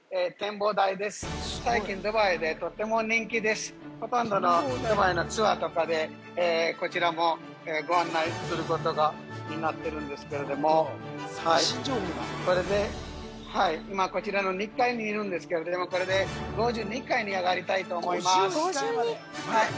これあのほとんどのドバイのツアーとかでこちらもご案内することになってるんですけれどもはいそれで今こちらの２階にいるんですけどもこれで５２階に上がりたいと思います